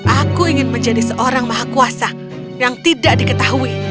aku ingin menjadi seorang maha kuasa yang tidak diketahui